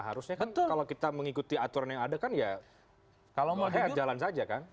harusnya kan kalau kita mengikuti aturan yang ada kan ya jalan saja kan